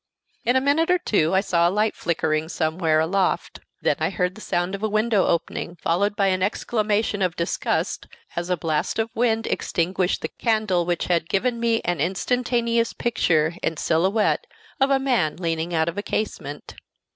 In a minute or two I saw a light flickering somewhere aloft, then I heard the sound of a window opening, followed by an exclamation of disgust as a blast of wind extinguished the candle which had given me an instantaneous picture en silhouette of a man leaning out of a casement.